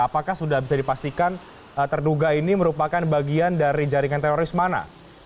apakah sudah bisa dipastikan terduga ini merupakan bagian dari jaringan teroris mana